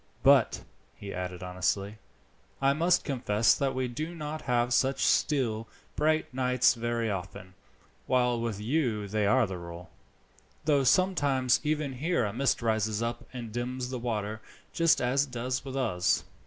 "But," he added honestly, "I must confess that we do not have such still, bright nights very often, while with you they are the rule, though sometimes even here a mist rises up and dims the water, just as it does with us."